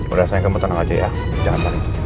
udah sayang kamu tenang aja ya jangan panik